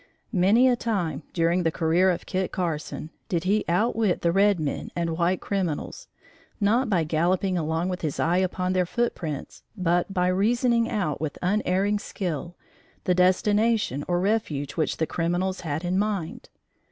Many a time, during the career of Kit Carson, did he outwit the red men and white criminals, not by galloping along with his eye upon their footprints, but by reasoning out with unerring skill, the destination or refuge which the criminals had in mind.